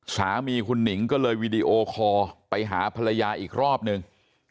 สามีคุณหนิงก็เลยวีดีโอคอลไปหาภรรยาอีกรอบนึง